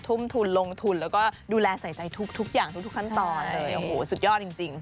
ทุ่มทุนลงทุนแล้วก็ดูแลใส่ใจทุกอย่างทุกขั้นตอนเลยโอ้โหสุดยอดจริง